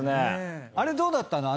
あれどうだったの？